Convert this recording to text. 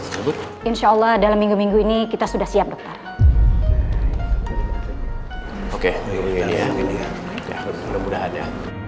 tersebut insyaallah dalam minggu minggu ini kita sudah siap dokter oke ya mudah mudahan ya